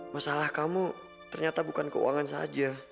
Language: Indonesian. masalah kamu ternyata bukan keuangan saja